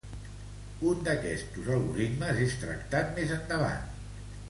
Un d'estos algoritmes és tractat més endavant.